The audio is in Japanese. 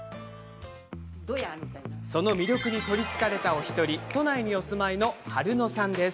その魅力に取りつかれた１人都内にお住まいの春乃さんです。